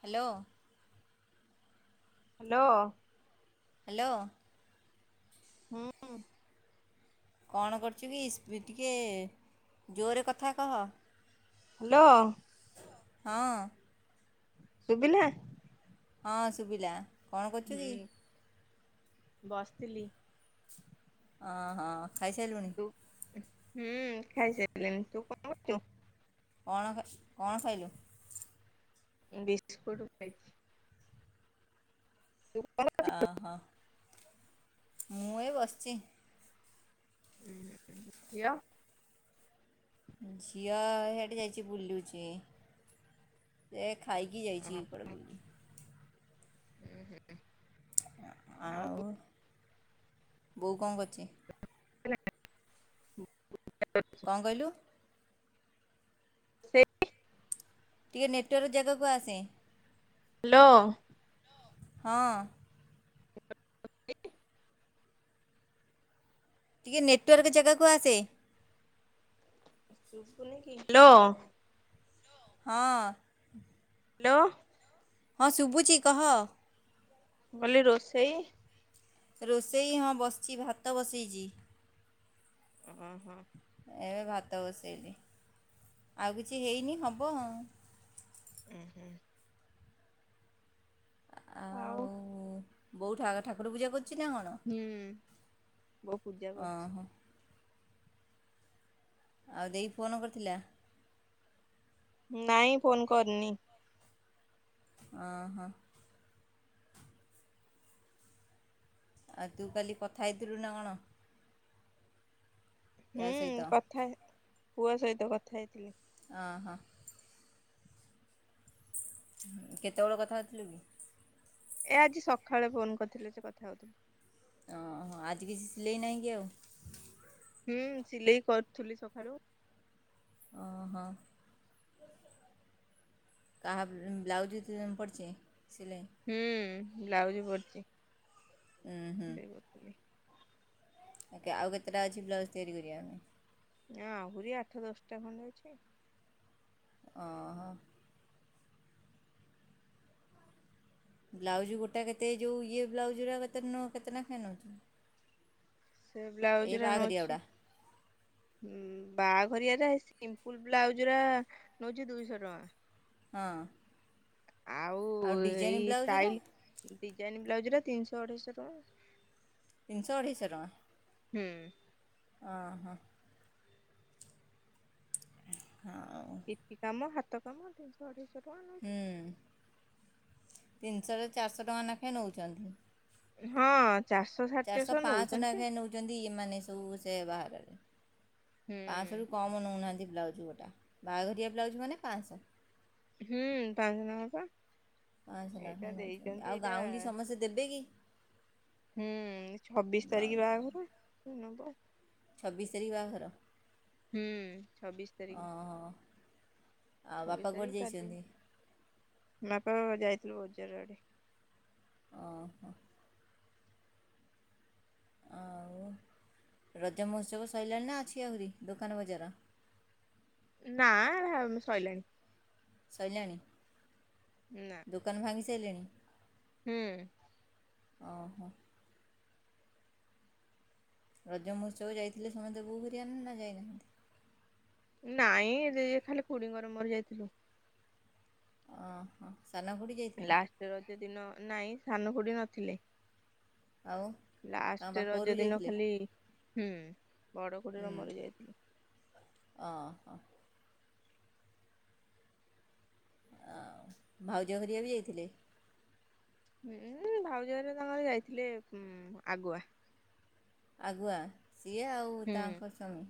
Hello. Hello. Hello. ହୁଁ ହୁଁ। କଣ କରୁଚୁକି ସ୍ପି ଟିକେ ଜୋରେ କଥା କହ। ହାଲୋ। ହଁ। ସୁୁବିଲା? ହଁ ଶୁବିଲା। ହୁଁ ବସିଥିଲି। ଅହୋ। ହୁଁ ଖାଇସାଇଲିଣି ତୁ କଣ କହୁଚୁ? କଣ କଣ ଖାଇଲୁ? ବିସ୍କୁଟୁ ଖାଇଚି। ତୁ କଣ ଅ ହଁ ମୁଁ ଏ ବସିଚି। ଉଁହୁଁ ଝିଅ? ଝିଅ ହେଟି ଯାଇଚି ବୁଲୁଚି। ଏ ଖାଇକି ଯାଇଚି ଆଉ କୁଆଡ଼େ ବୁଲୁଥି ଆଉ। ବୋଉ କଣ କରୁଚି? [unintelligible] କଣ କଇଲୁ? ରୋଷେଇ? ଟିକେ ନେଟୱାର୍କ ଜେଗାକୁ ଆସେ। ହାଲୋ। ହଁ। ଟିକେ ନେଟୱାର୍କ ଜାଗାକୁ ଆସେ। ଦୁସୁନିକି ହାଲୋ। ହଁ। ହାଲୋ। ହଁ ଶୁବୁଚି କହ। ମୁଁ କହିଲି ରୋଷେଇ? ରୋଷେଇ ହଁ ବସିଚି ଭାତ ବସେଇଚି। ହୁଁ ହୁଁ। ଏବେ ଭାତ ବସେଇଲି ଆଉ କିଛି ହେଇନି ହବ। ଉୁଁ ହୁଁ। ଆଉ ବୋଉଠା ଠାକୁର ପୂଜା କରୁଚି ନା କଣ? ହୁଁ ବୋଉ ପୂଜା କରୁଚି। ଓହୋ ଆଉ ଦେଇ ଫୋନ୍ କରିଥିଲା? ନାଇଁ ଫୋନ୍ କରିନି। ଓହୋ। ଆଉ ତୁ କାଲି କଥା ହେଇଥିଲୁନା କଣ? ୟା ହୁଁ ସହିତ କଥା ପୁଅ ସହିତ କଥା ହେଇଥିଲି। ଅ ହୋ। କେତେବେଳେ କଥା ହଉଥିଲୁକି? ଏ ଆଜି ସକାଳେ ଫୋନ୍ କରିଥିଲେ ଯେ କଥା ହଉଥୁନି। ଓହ ଆଜି କିଛି ସିଲେଇ ନାହିଁ କି ଆଉ? ହୁଁ ସିଲେଇ କରୁଥୁଲି ସକାଳୁ। ଓ ହୋ। କାହା ବ୍ଲାଉଜ ପଡ଼ଛି ସିଲେଇ ହୁଁ ବ୍ଲାଉଜ ପଡିଛି। ହୁଁ ହୁଁ। ପଠେଇଲି ଆଉ କେତେଟା ଅଛି ବ୍ଲାଉଜ୍ ତିରି କରିବା ପାଇଁ। ନା ଆହୁରି ଆଠ ଦଶଟା ଖଣ୍ଡେ ଅଛି। ଅ ହ ବ୍ଲାଉଜ୍ ଗୋଟା କେତେ ଯୋଉ ଇଏ ବ୍ଲାଉଜର କେତେ ନ କେତେ ନେଖା ନଉଛି। ସେ ବ୍ଲାଉଜ ଟା ବାହାଘରିଆ ନଉଛି। ଗୁଡ଼ା ହୁଁ ବାହାଘରିଆ ସିମ୍ପୁଲ ବ୍ଲାଉଜ ଗୁରା ନଉଛି ଦୁଇଶହ ଟଙ୍କା। ହଁ। ଆଉ ଆଉ ଡିଜାଇନ୍ ବ୍ଲାଉଜ୍ରା। ଡିଜାଇନ୍ ବ୍ଲାଉଜରା ତିନିଶହ ଅଢେଇଶହ ଟଙ୍କା। ତିିଶ ଅଢ଼େଇଶହ ଟଙ୍କା। ହୁଁ। ଅ ହଁ। ହଉ। କାମ ହାତ କାମତିନିଶହ ଅଢେଇଶହ ଟଙ୍କା। ନଉଛି ହୁ ତିନିଶହରୁ ଚାରିଶହ ଟଙ୍କା ଲେଖାଏଁ ନଉଛନ୍ତି। ହଁ ଚାରିଶହ ଷାଢେଚାଶହ ନେଉଛନ୍ତି ଆଉ। ମାନେ ସବୁ ସେ ବା ପାୁ କ ହୁଁ [unintelligible] କମଉ ନାହାନ୍ତି ବ୍ଲାଉଜ୍ ଗୋଟେ ବାହାଘରିଆ ବ୍ଲାଉଜ୍ ମାନେ ପାଞ୍ଚଶହ। ହୁଁ ପାଞ୍ଚ ନଙ୍କା ପା। ପାଞ୍ଚଶହ ଲେଖା ଏଇଟା ହିଁ ନଉଛନ୍ତି ଦେଇଛନ୍ତି ଆଉ ଏଇଟା ଗାଉଁଲି ସମସ୍ତେ ଦେବେ କି? ହୁଁ ଛବିସ୍ ତାରିଖ ଗାଉଁଲି ବାହାଘର ଛବିସ୍ ତାରିଖ ବାହାଘର। ହୁଁ ଛବିଶ ତାରିଖ। ଓହୋ ଆଉ ଛବିସ ବାପା ତାରିଖ କୁଆଡ଼େ କାଲି ଯାଇଛନ୍ତି ବାପା ବାବା ଯାଇଥିଲଥିଲ, ବଜାର ଆଡ଼େ। ଓହୋ। ଆଉ ରଜ ମହୋତ୍ସବ ସଇଲାଣି ନା ଅଛି ଆହୁରି ଦୋକାନ ବଜାର। ନା ସଇଲାଣିି। ସଇଲାନି। ନାଁ। ଦୋକାନ ଭାଙ୍ଗି ସାରିଲାଣି। ହୁଁ। ଓହୋ। ରଜ ମହୋତ୍ସବ ଯାଇଥିଲେ ସମସ୍ତେ ବୋଉ ଘଟିକା ନା ନା ଯାଇନାହାନ୍ତି। ନାଇଁ ଖାଲି ଇଏ ଖୁଡିଙ୍କର ମୋର ଯାଇଥିଲୁ। ଓ ହ ସାନ ଖୁଡି। ଲାଷ୍ଟ ରଜ ଦିନ ନାଇଁ ସାନ ଖୁଡି ନଥିଲେ। ଆଉ। ତାଙ୍କ ଲାଷ୍ଟ ବାପ ରଜ ଘରକୁ ଦିନ ଯାଇଥିଲେ ଖାଲି ହୁଁ ବଡ ଖୁଡିର ମୋରି ଯାଇଥିଲୁ। ଅ ହ। ଭାଉଜ ଘରିଆ ବି ଯାଇଥିଲେ। ହୁଁ ଭାଉଜ ଘରେ ତାଙ୍କର ଯାଇଥିଲେ ଆଗୁଆ। ଆଗୁଆ ସିଏ ଆଉ ହୁଁ ତାଙ୍କ ସ୍ୱାମୀ।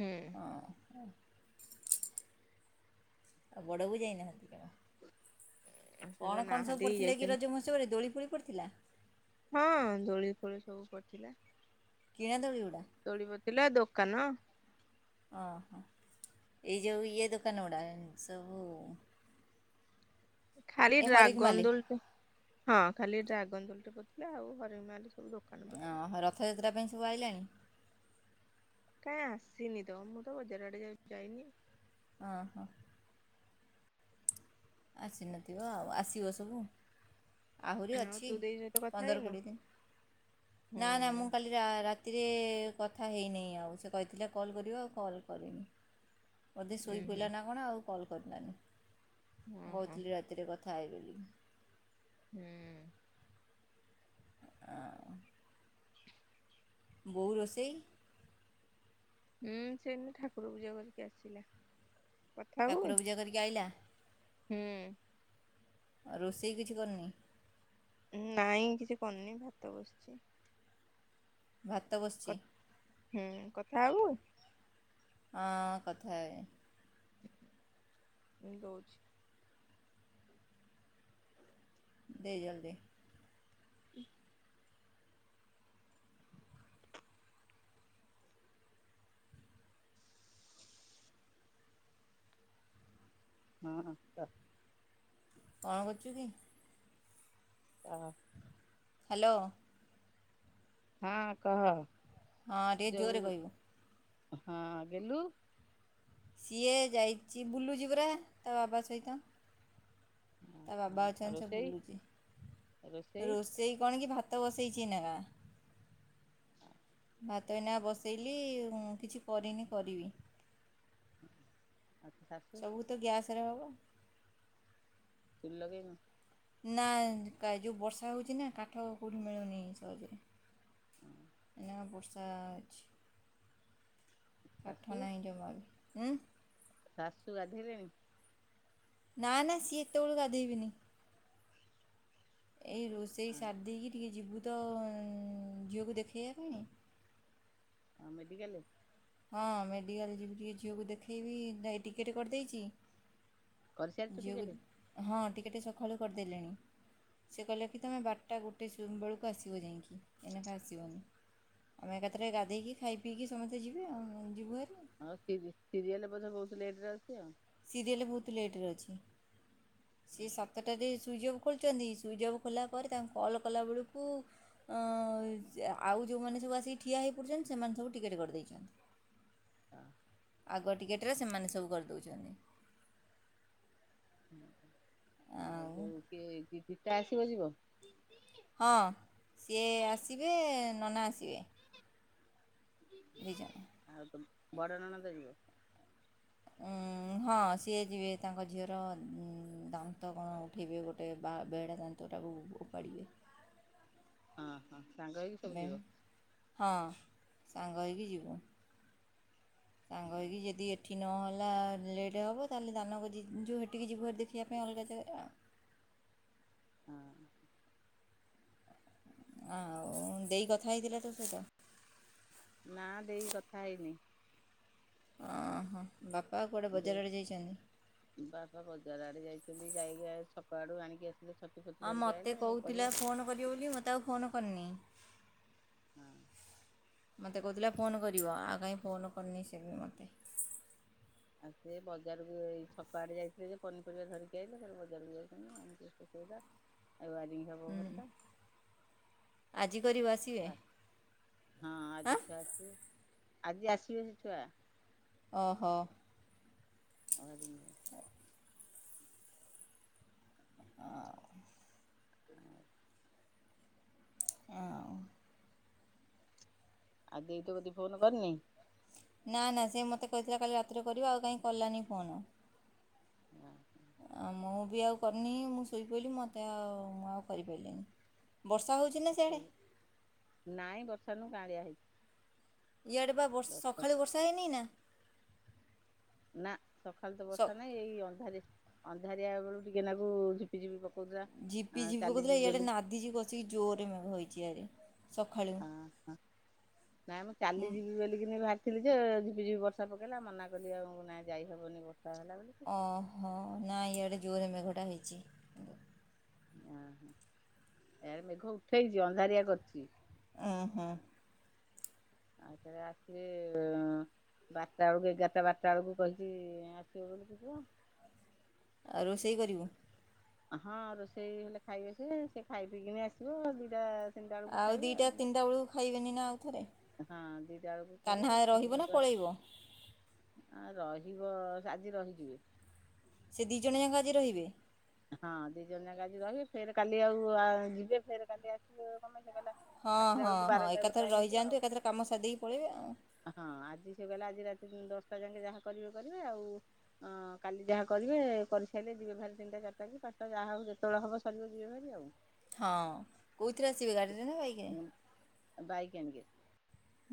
ହୁଁ। ଅ ହଁ ଆଉ ବଡ଼ ବୋଉ ଯାଇନାହାନ୍ତି କଣ? ସେ ତ କଣ କଣ ସବୁ ନାହାନ୍ତି ପଡ଼ିଥିଲା କି ଯାଇଛନ୍ତି ରଜ ମହଉତ୍ସବରେ ଦୋଳି ଫୋଳି ପଡ଼ିଥିଲା। ହଁ ଦୋଳି ଫୋଳି ସବୁ ପଡିଥିଲା। କିଆଁ ଦୋଳି ଗୁଡ଼ା। ଦୋଳି ପଡିଥିଲା ଦୋକାନ ଓହୋ ଏଇ ଯୋଉ ଇଏ ଦୋକାନଗୁଡ଼ା ସବୁ ଖାଲି ଏ ହରେକ ଡ୍ରାଗନ୍ ମାଲି ଦୋଳିଟେ ହଁ ଖାଲି ଡ୍ରାଗନ ଦୋଳିଟେ ପଡିଥିଲା ଆଉ ହରେକମାଲେ। ସବୁ ଦୋକନ ପଡିଥିଲା। ଓହୋ ରଥଯାତ୍ରା ପାଇଁ ସବୁ ଆଇଲାଣ? କାଇଁ ଆସିନି ତ ମୁଁ ତ ବଜାର ଆଡେ ଯାଉ ଯାଇନି। ଅହ। ଆସିନଥିବ ଆଉ ଆସିବ ସବୁ। ଆହୁରି ଆଉ ଅଛି ତୁ ଦେଇ ସହିତ କଥା ପନ୍ଦର ହେଇନୁ? କୋଡିଏ ଦିନ ହୁଁ ନା ନା ମୁଁ କାଲି ଯା ରାତିରେ କଥା ହେଇନେଇ ଆଉ ସେ କହିଥିଲେ କଲ୍ କରିବ ଆଉ କଲ୍ କରିନି। ବୋଧେ ଉଁ ହୁଁ ଶୋଇପଇଲା ନା କଣ ଆଉ କଲ୍ କରିଲାନି ଓ ମୁଁ ହୋ କୋହୁଥିଲି ରାତିରେ କଥା ହେବି ବୋଲି। ହୁଁ। ଅ ବୋଉ ରୋଷେଇ ହୁଁ ସେ ଏଇନେ ଠାକୁର ପୂଜା କରିକି ଆସିଲେ କଥା ଠାକୁର ହୋବୁକି? ପୂଜା କରିକି ଆଇଲା ହୁଁ। ଆଉ ରୋଷେଇ କିଛି କରନି? ନାଇଁ କିଛି କରନି ଭାତ ବସଚି। ଭାତ କ ବସିଚି। ହୁଁ କଥା ହୋବୁ? ଅଁ କଥା ଏ ଉଁ ଦୋଉଚି। ଦେ ଜଲଦି। ଉ ହଁ କ କଣ କରଚୁ କି? କହ। ହାଲୋ। ହଁ କହ। ହଁ ଟିକେ ଜୋରେ ଯୋଉ କହିବୁ। ହଁ ଗେଲୁ ସିଏ ଯାଇଚି ବୁଲୁଚି ପରା ତା ବାବା ସହିତ। ତା ବାବା ହଁ ଅଛନ୍ତି ସେ ରୋଷେଇ ବୁଲୁଚି ରୋଷେଇ କଣ କି ଭାତ ବସେଇଚି ଏନାକା। ଭାତ ଏଇନା ବସେଇଲି ଉଁ କିଛି କରିନି କରିବି। ଆଉ ତୋ ଶାଶୁ? ସବୁ ତ ଗ୍ୟାସରେ ହବ। ଚୁଲି ଲଗେଇନୁ? ନା କା ଯୋଉ ବର୍ଷା ହୋଉଚି ନା କାଠ କୋଉଠି ମିଳୁନି ସହଜରେ। ଏଇନାକା ବର୍ଷା ଅଛି ଶାଶୁ କାଠ ନାଇଁ ଜମାରୁ ଉଁ ଶାଶୁ ଗାଧେଇଲେଣି? ନା ନା ସିଏ ଏତୋଳୁ ଗାଧେଇବେନି। ଏଇ ରୋଷେଇ ସାରଦେଇକି ଟିକେ ଯିବୁ ତ ଉଁ ଝିଅକୁ ଦେଖେଇବା ପାଇଁ ଅଁ ମେଡିିକାଲେ? ହଁ ମେଡ଼ିକାଲେ ଯିବି ଟିକେ ଝିଅକୁ ଦେଖେଇବି ଯାଇ ଟିକେଟେ କରିଦେଇଚି। କରିସାରିଛୁ ଟିକେଟ ଝିଅକୁ ହଁ ଟିକେଟେ ସଖାଳୁ କରଦେଲେଣି। ସିଏ କହିଲେ କି ତମେ ବାରଟା ଗୋଟେ ସୁ ବେଳକୁ ଆସିବ ଯାଇଁକି ଏଇନାକେ ଆସିବନି। ଆମେ ଏକାଥରେ ଗାଧେଇକି ଖାଇ ପିଇକି ସମସ୍ତେ ଯିବେ ଆଉମ୍ ଯିବୁ ହାରି। ଆଉ ସିରି ସିରିଏଲ୍‌ ବୋଧେ ବୋହୁତ ଲେଟରେ ଅଛି ଆଉ। ସିରିଏଲ ବୋହୁତ ଲେଟରେ ଅଛି ସିଏ ସାତଟାରେ ସୁଇଜ୍‌ ଅପ୍ ଖୋଲୁଚନ୍ତି ସୁଇଜ୍ ଅପ୍ ଖୋଲା ପରେ ତାଙ୍କୁ କଲ୍ କଲାବେଳକୁ ଅଂ ଆଉ ଯଉଁମାନେ ସବୁ ଆସିକି ଠିଆ ହୋଇପଡ଼ୁଚନ୍ତି। ସେମାନେ ସବୁ ଟିକେଟ୍ କରିଦେଇଚନ୍ତି। [unintelligible] ଆଗ ଟିକେଟେରେ ସେମାନେ ସବୁ କରିଦଉଚ଼ନ୍ତି। ଆଉ ଆସିବ ଯିବ। ହଁ ସିଏ ଆସିବେ ନନା ଆସିବେ। ନେଇଯାଏ। ଆଉ ତ ବଡ ନନା ତ ଯିବ। ହଁ ସିଏ ଯିବେ ତାଙ୍କ ଝିଅର ଦାନ୍ତ କଣ ଉଠେଇବେ ଗୋଟେ ବା ବେଡ଼ା ଦାନ୍ତଟାକୁ ଉପାଡ଼ିବେ। ହଁ ହଁ ସାଙ୍ଗ ହେଇକି ସବୁ ବେ ଯିବ। ହଁ ସାଙ୍ଗ ହେଇକି ଯିବୁ ସାଙ୍ଗ ହେଇକି ଯଦି ଏଠି ନହେଲା ହେଲା ଲେଟ୍ ହବ ତାହେଲେ ଦାନ ଗଦି ଯିବୁ ଯୋ ହେଟିକି ଜିବୁ ହେରି ଦେଖିବା ପାଇଁ ଅଲଗା ଜାଗାରେ। ହଁ। ଆଉ ଦେଇ କଥା ହେଇଥିଲା ତୋ ସହିତ। ନା ଦେଇ କଥା ହେଇନି। ହଁ ବାପା ଆଉ କୁଆଡ଼େ ଦେଇ ବଜାର ଆଡେ ଯାଇଚନ୍ତି। ବାପା ବଜାର ଆଡେ ଯାଇଚନ୍ତି ଯାଇକି ଛକ ଆଡୁ ଆଣିକି ଆସିଲେ। ଛତୁ ଫତୁ ହଁ ଧରିକି ମତେ ଆଇଲେ କହୁଥିଲା ପରିବା ଫୋନ କରିବ ବୋଲି ମତେ ଆଉ ଫୋନ କରିନି। ହଁ ମତେ କହୁଥିଲା ଫୋନ୍ କରିବ ଆଉ କାହିଁ ଫୋନ୍ କରିନି ସେ ବି ମତେ। ଆଉ ସେ ବଜାରକୁ ଏଇ ଛକ ଆଡେ ଯାଇଥିଲେ ଯେ ପନିପରିବା ଧରିକି ଆଇଲେ ଫେରେ ବଜାରକୁ ଯାଇଚନ୍ତି। ଆଣି କି ସୁଖେଇଵା। ଉଆରିଙ୍ଗ୍ ହବ ଘରଟା ଆଜି କରିବ ଆସିବେ ଆ ହଁ ଆଜି ଛୁଆ ଆସିବେ ଆଜି ଆସିବେ ସେ ଛୁଆ। ଓହୋ। ଆର୍ମି। [inaudible] [inaudible] ଆଁ। ଆଉ ଦେଇ ତୋ କତିକି ଫୋନ୍ କରିନି। ନା ନା ସେ ମତେ କହିଥିଲା କାଲି ରାତିରେ କରିବ ଆଉ କାହିଁ କଲାନି ଫୋନ। [unintelligible] ମୁଁ ବି ଆଉ କରିନି ମୁଁ ଶୋଇପଡ଼ଇଲି ମତେ ଆଉ ମୁଁ ଆଉ କରିପାରିଲିନି ବର୍ଷା ହଉଚି ନାଇଁ ବର୍ଷା ନୁ କାଁଳିଆ ହେଇଚି। ଇଆଡ଼େ ବା ବର୍ଷା ସକାଳୁ ବର୍ଷା ହେଇନି ନା। ନା ସକାଳୁ ତ ସ ବର୍ଷା ନାଇଁ ଏଇ ଅନ୍ଧାରେ ଅନ୍ଧାରିଆ ବେଳକୁ ଟିକେ ନାକୁ ଝିପ୍ ଝିପି ଝିପି ପକଉଥିଲା ଚାଲି ଯିବି ବୋଲି। ନାଧିଚି କସିକି ଜୋରରେ ମେଘ ହୋଇଚି ଇଆରେ। ଆହା ନାଇଁ ମୁଁ ଉଁ, କାଲିଯିବି ବୋଲିକିନି ବାହାରି ଥିଲି ଯେ ଝିପି ଝିପି ବର୍ଷା ପକେଇଲା ମନା କଲି ଆଉ ନାଇ ଯାଇ ହବନି ବର୍ଷା ହେଲା ବୋଲି। ଓହୋ ନା ଇଆଡ଼େ ଜୋରେ ମେଘଟା ହେଇଚି। ଇଆରେ ମେଘ ଉଠେଇଚି ଅନ୍ଧାରିଆ କରିଚି। ଉହୁଁ। ଆଉଥରେ ଆସିଲେ ବାରଟା ବେଳକୁ ଏଗାରଟା ବାରଟା ବେଳକୁ କହିଚି। ଆସିବ [inaudible] ଆଉ ରୋଷେଇ କରିବୁ। ହଁ ରୋଷେଇ ହେଲେ ଖାଇବେ ସେଏ ସେ ଖାଇ ପିଇକିନି ଆସିବେ ଦିଟା ତିନିଟା ବେଳକୁ ଆଉ ଖାଇବେ ଦିଟା ତିନିଟା ବେଳକୁ ଖାଇବେନି ନା ଆଉ ଥରେ। ହଁ ଦିଟା ଆଳକୁ କାହ୍ନା ରହିବ ନା ଖାଇବେ ପଳେଇବ ଆ ରହିବ ଆଜି ରହିଯିବେ। ସେ ଦିଇ ଜଣ ଯାକ ଆଜି ରହିବେ। ହଁ ଦି ଜଣ ଯାକ ଆଜି ରହିବେ ଫେର କାଲି ଆଉ ଯିବେ ଫେର କାଲି ଆସିବେ ହଁ ଆସିଲା ହଁ ବେଳକୁ ହଁ ବାରଟା ଗୋଟାଏ ଏକାଥରେ ହେଇଯିବ ଆଉ। ରହିଯାଆନ୍ତୁ ଏକାଥରେ କାମ ସରିଦେଇକି ପଳେଇବେ ଆଉ। ହଁ ଆଜି ସେ କହିଲଲେ ଆଜି ରାତି ଦଶଟା ଯାକେ ଯାହା କରିବେ କରିବେ ଆଉ। ହଁ କାଲି ଯାହା କରିବେ କରିସାରିଲେ ଯିବେ ଭାରି ତିନିଟା ଚାରିଟା କି ପାଞ୍ଚଟା ଯାହା ହବଉ ଯେତେବେଳେ ହବ ସରିବ ଯିବେ ଭାରି ଆଉ। ହଁ କୋଉଥିରେ ଆସିବେ ଗାଡିରେ ନା ବାଇକରେ? ବାଇକ ଆଣିକି ଆସିବେ।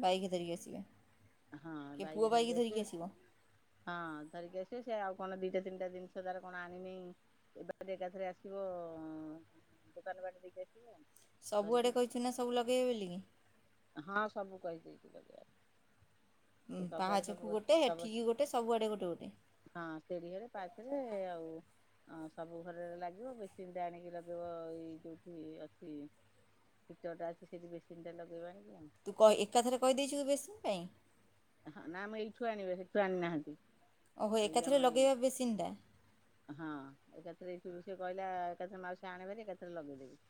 ବାଇକି ଧରିକି ଆସିଲେ। ହଁ ବାଇକଧରେ ଆ ସେ। ହଁ ଧରିକି ଆସିବ ସେ ଆଉ କଣ ଦିଟା ତିନିଟା ଜିନିଷ ତାର କଣ ଆଣିନି। ଏ ବାଟରେ ଏକାଥରେ ଆସିବ ଅ ଦୋକାନ ବାଟ ଦେଇକି ଆସିବେ। ସବୁଆଡ଼େ କହିଛୁ ନା ସବୁ ଲଗେଇବେ ବୋଲିିକି? ହଁ ସବୁ କଇଦେଇଚି ତାକୁ। ଉଁ ପାହାଚକୁ ଗୋଟେ, ସବୁ ହେଠିକି ଗୋଟେ, ସବୁଆଡ଼େ ଗୋଟେ ଗୋଟେ। ହଁ ସେରି ହେରେ ପାଖରେ ଆଉ। ହଁ ସବୁ ଘରେରେ ଲାଗିବ ବେସିନ୍ ଟା ଆଣିକି ଲଗେଇବ ଏଇ ଯୋଉଠି ଅଛି। କୀଟଟା ଅଛି ସେଠି ବେସିନ୍ଟା ଲଗେଇବାଣି କି ଆଉ। ତୁକ ଏକାଥରେ କହିଦେଇଛୁ ବେସିନ ପାଇଁ? ହଁ ନା ଆମେ ଏଇଠୁ ଆଣିବେ ହେଠୁ ଆଣିନାହାନ୍ତି। ଓହୋ ଏଇ ଆମ ଏକାଥରେ ଏଇ ଲଗେଇବା ବେଶିନ୍ ଟା। ହଁ ଏକାଥରେ ସେ କହିଲା ଏକଥରେ ମାଉସୀ ଆଣେ ବୋଲି ଏକା ଥରେ ଲଗେଇଦେବି।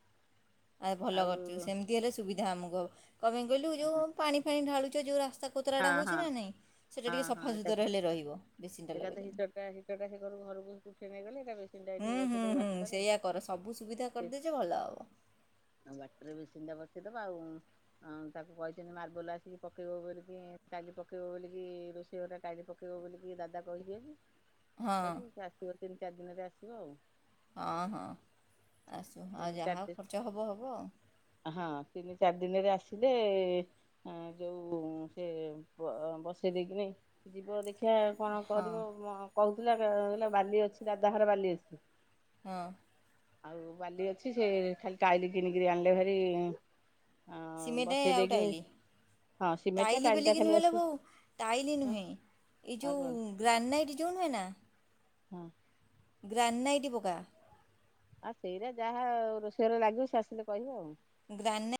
ଆ ଭଲ ଆଉ କରିଚୁ ସେମିତି ହେଲେ ସୁବିଧା ଆମକୁ ହେବ କ ପାଇଁ କହିଲୁ ଯେଉ ପାଣି ଫାଣି ଢାଳୁଛ ଯେଉଁ ରାସ୍ତା ହଁ କୋତରାଟା ହେଉଛି ହଁ ନା ନାଇଁ ସେଇଟା ହଁ ଟିକେ ହଁ ଏକାଥରେ ସଫାସତୁରା ହେଲେ ରହିବ ବେଶସିନଟା ଲଗାଇଦେଲେ। ସେଟା ସେ ଘ ଘରକୁ ଉଠେଇ ନେଇଗଲେ ଏଟା ମେସିନଟା ଏଠି ହୁଁ ହୁଁ ବସେଇଦେବେ ହୁଁ ବାଟଟାରେ। ସେଇଆ କର ସବୁ ସୁବିଧା କରିଦେଛ ଭଲ ହବ। ଆଉ ବାଟରେ ବେଶିନ ଟା ବସେଇଦବା ଆଉ। ହଁ ତାକୁ କହିଛନ୍ତି ମାର୍ବଲ ଆସିକି ପକେଇବ ବୋଲିକି କାଲି ପକେଇବ ବୋଲିକି ରୋଷେଇ ସେଇ ଘର ଟା ଟାଇଲି ପକେଇବ ବୋଲିକି ଦାଦା କହିିବେ କି? [inaudible] ତାକୁ, ସେ ଆସିବ ତିନି ଚାରି ଦିନରେ ଆସିବ ଆଉ। ହଁ ହଁ ଆସୁ ଆଉ ତିନି ଚାରି ଯାହା ଦିନ ଖର୍ଚ୍ଚ ହେବ ହେବ ଆଉ। ହଁ ତିନି ଚାରି ଦିନରେ ଆସିଲେ ଆ ଯୋଉ ସେ ବ ବସେଇ ଦେଇକିନି ଯିବ ଦେଖି ଆ କଣ ହଁ କରିବ? କହୁଥିଲା ବାଲି ଅଛି ଦାଦା ହର ବାଲି ଅଛି। ହଁ। ଆଉ ବାଲି ଅଛି ସେ ଖାଲି ଟାଇଲି କିଣିକିରି ଆଣିଲେ ଭାରି। ହଁ ସିମେଣ୍ଟେ ବସେଇ ଆଉ ଦେଇକିନି ଟାଇଲି। ହଁ ସିମେଣ୍ଟ ଟା ଟାଇଲି ଟା ବୋଲିକି ଖାଲି ନୁହେଲା ଆସିବ ବୋଉ ଟାଇଲି ନୁହେଁ ଏଇ ଆଉ ଯୋଉ କଣ ଗ୍ରାନାଇଟ୍ ଯୋଉ ନୁହେଁ ନା? ହଁ। ଗ୍ରାନାଇଟ ପକା। ଆଉ ସେଇରା ଯାହା ରୋଷେଇ ଘରେ ଲାଗିବ ସେ ଆସିଲେ କହିବ ଆଉ। ଗ୍ରାନ୍